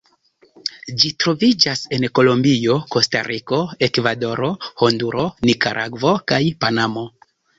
Ĝi troviĝas en Kolombio, Kostariko, Ekvadoro, Honduro, Nikaragvo kaj Panamo.